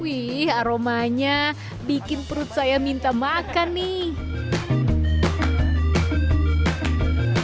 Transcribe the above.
wih aromanya bikin perut saya minta makan nih